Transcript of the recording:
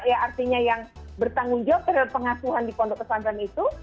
ya artinya yang bertanggung jawab terhadap pengasuhan di pondok pesantren itu